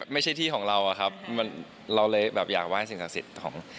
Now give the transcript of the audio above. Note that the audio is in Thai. ไม่ใช่ที่ของเราอะครับเราเลยแบบอยากไห้สิ่งศักดิ์สิทธิ์ของ